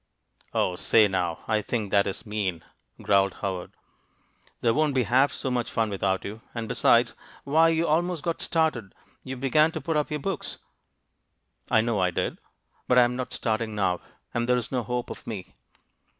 "O, say now! I think that is mean!" growled Howard. "There won't be half so much fun without you; and, besides why, you almost got started. You began to put up your books." "I know I did; but I am not starting now, and there is no hope of me.